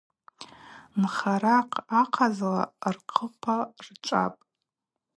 Нхаракӏ ахъазла рхъылпа рчӏвапӏ.